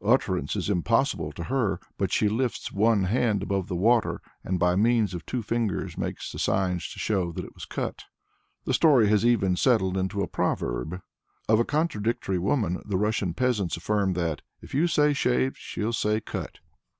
Utterance is impossible to her, but "she lifts one hand above the water and by means of two fingers makes signs to show that it was cut." The story has even settled into a proverb. Of a contradictory woman the Russian peasants affirm that, "If you say 'shaved' she'll say 'cut.'"